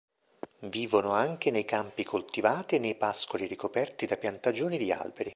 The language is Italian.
Vivono anche nei campi coltivati e nei pascoli ricoperti da piantagioni di alberi.